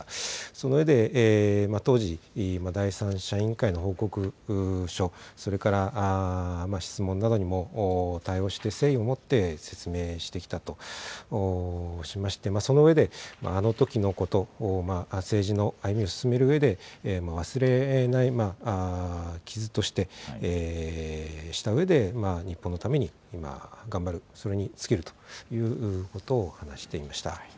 その上で、当時、第三者委員会の報告書、それから質問などにも対応して誠意を持って説明してきたとしまして、その上で、あのときのこと、政治の歩みを進めるうえで、忘れない傷として、としたうえで、日本のために頑張る、それに尽きるということを話していました。